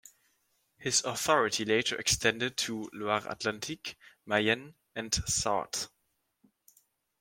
His authority later extended to Loire-atlantique, Mayenne and Sarthe.